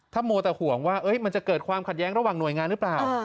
ถ้ามัวแต่ห่วงว่ามันจะเกิดความขัดแย้งระหว่างหน่วยงานหรือเปล่า